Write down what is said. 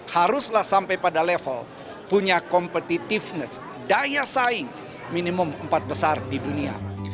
haruslah sampai pada level punya competitiveness daya saing minimum empat besar di dunia